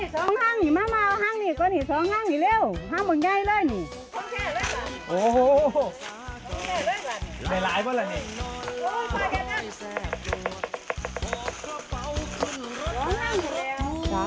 ช่วงหน้าเมื่อออกกระเป๋าคุณรักคุณ